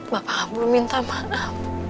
bapak gak perlu minta maaf